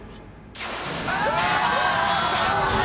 残念！